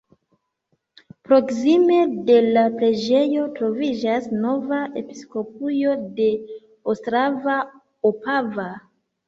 Proksime de la preĝejo troviĝas nova episkopujo de Ostrava-Opava.